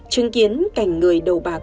chứng kiến cảnh người đầu bạc